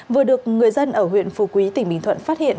vừa được người dân ở huyện phù quý tỉnh bình thuận phát hiện